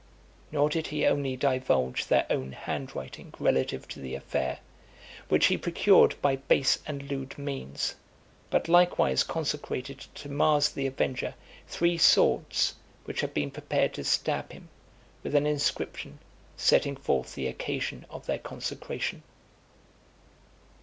Nor did he only divulge their own hand writing relative to the affair, which he procured by base and lewd means, but likewise consecrated to Mars the Avenger three swords which had been prepared to stab him, with an inscription, setting forth the occasion of their consecration.